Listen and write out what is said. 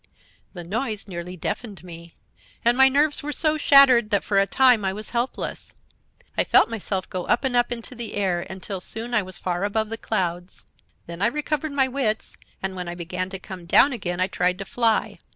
"The noise nearly deafened me, and my nerves were so shattered that for a time I was helpless. I felt myself go up and up into the air, until soon I was far above the clouds. Then I recovered my wits, and when I began to come down again I tried to fly.